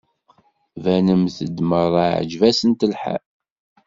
Banent-d merra iεǧeb-asent lḥal.